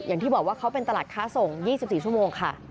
อย่างที่บอกว่าเขาเป็นตลาดค้าส่ง๒๔ชั่วโมงค่ะ